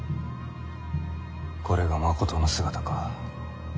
これがまことの姿か。